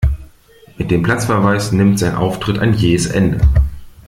Mit dem Platzverweis nimmt sein Auftritt ein jähes Ende.